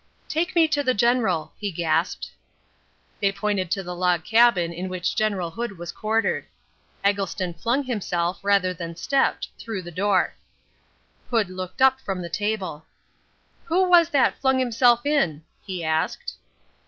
"Take me to the General!" he gasped. They pointed to the log cabin in which General Hood was quartered. Eggleston flung himself, rather than stepped, through the door. Hood looked up from the table. "Who was that flung himself in?" he asked.